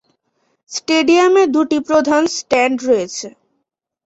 স্টেডিয়ামে দুটি প্রধান স্ট্যান্ড রয়েছে।